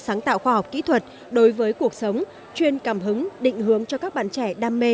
sáng tạo khoa học kỹ thuật đối với cuộc sống chuyên cảm hứng định hướng cho các bạn trẻ đam mê